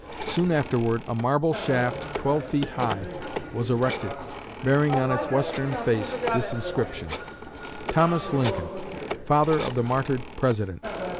Soon afterward a marble shaft twelve feet high was erected, bearing on its western face this inscription: THOMAS LINCOLN FATHER OF THE MARTYRED PRESIDENT.